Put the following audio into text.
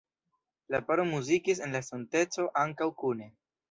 La paro muzikis en la estonteco ankaŭ kune.